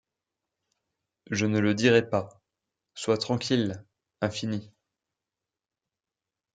Je ne le dirai pas ! Sois tranquille, infini !